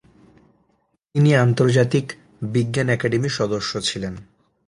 তিনি আন্তর্জাতিক বিজ্ঞান একাডেমির সদস্য ছিলেন।